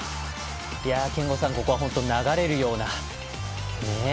憲剛さん、ここは流れるような。